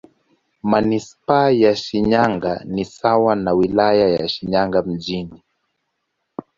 Manisipaa ya Shinyanga ni sawa na Wilaya ya Shinyanga Mjini.